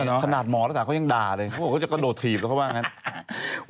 ขนาดหมอรักษาเขายังด่าเลยเขาบอกเขาจะกระโดดถีบแล้วเขาว่างั้น